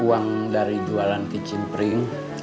uang dari jualan kicimpring